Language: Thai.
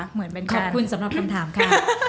ขอบคุณสำหรับคำถามค่ะ